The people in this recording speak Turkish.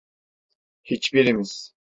Hiçbirimiz…